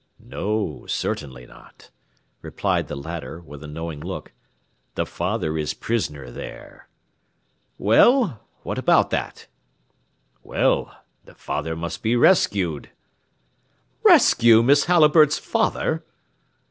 "No, certainly not," replied the latter, with a knowing look, "the father is prisoner there." "Well, what about that?" "Well, the father must be rescued." "Rescue Miss Halliburtt's father?"